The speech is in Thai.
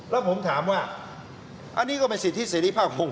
แล้วผมถามว่าอันนี้ก็เป็นสิทธิเสรีภาพของ